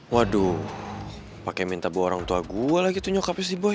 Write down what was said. waduh pake minta bawa orang tua gue lagi tuh nyokapnya si boy